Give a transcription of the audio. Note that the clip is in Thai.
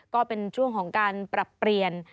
ก็เป็นช่วงของการปรับเปลี่ยน